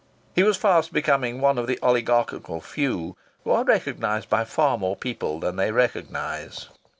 He was fast becoming one of the oligarchical few who are recognized by far more people than they recognize.